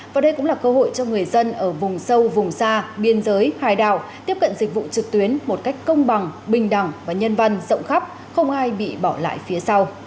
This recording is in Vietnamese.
và đây cũng là cơ hội cho người dân ở vùng sâu vùng xa biên giới hải đảo tiếp cận dịch vụ trực tuyến một cách công bằng bình đẳng và nhân văn rộng khắp không ai bị bỏ lại phía sau